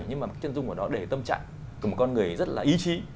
nhưng mà chân dung ở đó để tâm trạng của một con người rất là ý chí